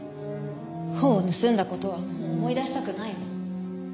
本を盗んだ事はもう思い出したくないの。